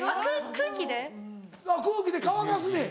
空気で乾かすねん。